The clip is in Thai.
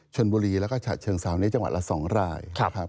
ชนบุรีแล้วก็ฉะเชิงสาวในจังหวัดละ๒ราย